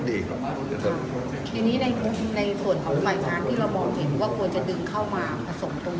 อเรนนี่ในส่วนของฝ่ายค้านที่เรามองเห็นว่ากลัวจะดึงเข้ามา